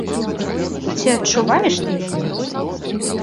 Ці адчуваеш ты яе?